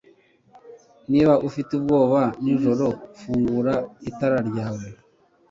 Niba ufite ubwoba nijoro, fungura itara ryawe.